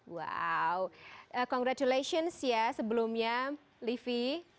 wow congratulations ya sebelumnya livi